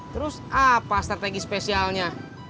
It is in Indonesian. terus apa strategi spesialnya